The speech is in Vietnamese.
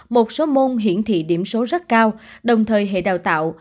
một số môn hiển thị điểm số rất cao đồng thời hệ đào tạo